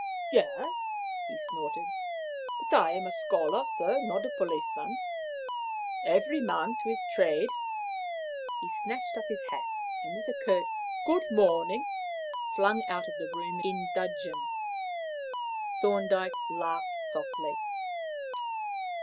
"Yes," he snorted; "but I am a scholar, sir, not a policeman. Every man to his trade." He snatched up his hat, and with a curt "Good morning," flung out of the room in dudgeon. Thorndyke laughed softly.